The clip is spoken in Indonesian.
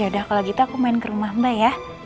yaudah kalau gitu aku main ke rumah mbak ya